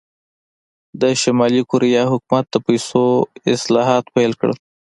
د شلي کوریا حکومت د پیسو اصلاحات پیل کړل.